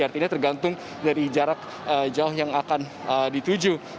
artinya tergantung dari jarak jauh yang akan dituju